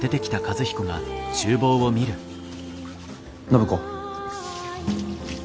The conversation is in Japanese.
暢子。